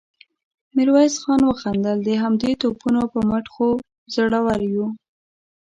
ميرويس خان وخندل: د همدې توپونو په مټ خو زړور يو.